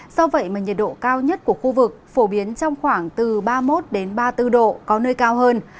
do vậy mà nhiệt độ cao nhất của khu vực phổ biến trong khoảng từ ba mươi một ba mươi bốn độ có nơi cao hơn